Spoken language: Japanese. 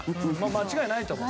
間違いないと思う。